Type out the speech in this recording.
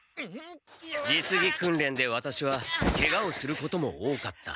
実技訓練でワタシはケガをすることも多かった。